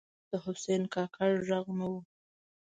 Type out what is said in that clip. د حسن کاکړ ږغ نه و